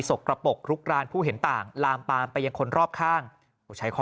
กระปกลุกรานผู้เห็นต่างลามปามไปยังคนรอบข้างใช้ข้อ